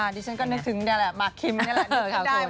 ดิฉันก็นึกถึงมาร์คคิมก็ได้